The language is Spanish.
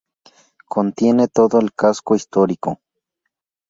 Contiene todo el casco histórico.